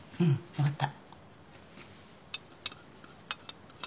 分かった。